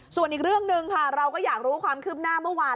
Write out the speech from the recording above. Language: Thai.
ส่วนอีกเรื่องหนึ่งค่ะเราก็อยากรู้ความคืบหน้าเมื่อวาน